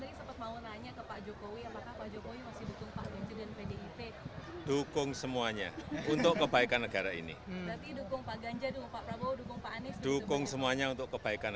kalau mbak puan saya sempat mau nanya ke pak jokowi apakah pak jokowi masih dukung pak ganjar dan bdit